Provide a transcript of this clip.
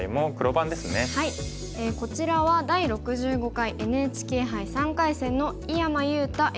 こちらは第６５回ＮＨＫ杯３回戦の井山裕太